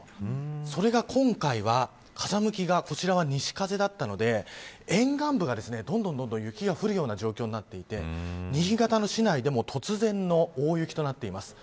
それが今回は、風向きがこちらは西風だったので沿岸部が、どんどん雪が降るような状況になっていて新潟の市内でも突然の大雪となっています。